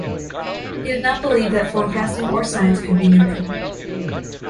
He did not believe that forecasting or science could be neutral.